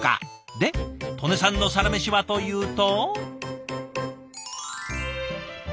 で刀祢さんのサラメシはというと？